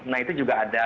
nah itu juga ada